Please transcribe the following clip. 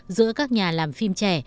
giữa các nhà làm phim trẻ